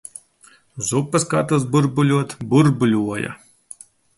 Zupas katls burbuļot burbuļoja!